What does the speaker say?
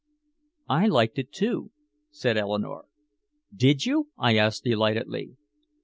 "I liked it too," said Eleanore. "Did you?" I asked delightedly.